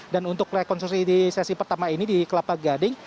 dan untuk rekonstruksi di sesi pertama ini di kelapa gading